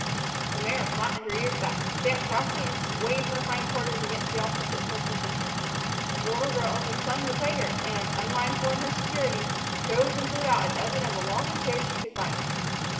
The mare flattened her ears back, stamped crossly, and swayed her hind quarters against the opposite partition. But the little girl only clung the tighter and, unmindful in her security, chose and pulled out a dozen of the longest hairs she could find.